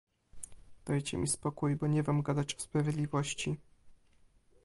"Dajcie mi spokój, bo nie Wam gadać o sprawiedliwości!"